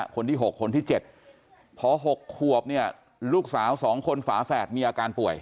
คนที่๖คนที่๗พอ๖ขวบเนี่ยลูกสาว๒คนฝาแฝดมีอาการป่วย